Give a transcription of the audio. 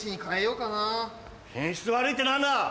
品質悪いって何だ！